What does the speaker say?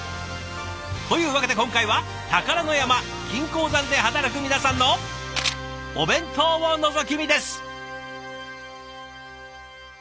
というわけで今回は宝の山金鉱山で働く皆さんのお弁当をのぞき見です！